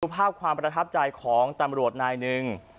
ภาพความประทับใจของตำรวจนายหนึ่ง